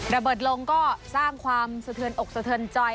ระเบิดลงก็สร้างความสะเทือนอกสะเทินใจ